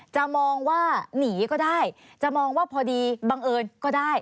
จะมองว่าหนีก็ได้จะมองว่าพอดีบังเอิญก็ได้